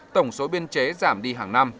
tổng số biên chế giảm đi hàng năm